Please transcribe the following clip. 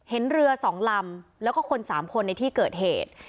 เห็นเรือ๒ลำแล้วก็คน๓คนในที่เกิดเหตุ